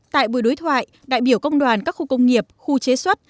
tại buổi đối thoại đại biểu công đoàn các khu công nghiệp khu chế xuất